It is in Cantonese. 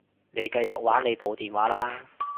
你繼續玩你部電話啦